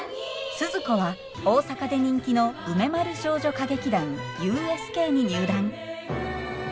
スズ子は大阪で人気の梅丸少女歌劇団ＵＳＫに入団。